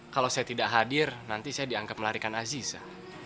kalau saya tidak hadir nanti saya dianggap melarikan aziza